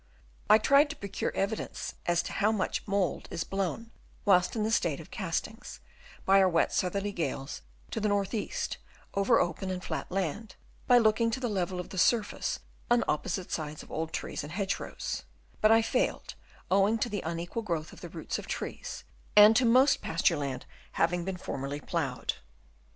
I tried to procure evidence as to how much mould is blown, whilst in the state of cast ings, by our wet southern gales to the north east, over open and flat land, by looking to the level of the surface on opposite sides of old trees and hedge rows ; but I failed owing to the unequal growth of the roots of trees and to most pasture land having been formerly ploughed.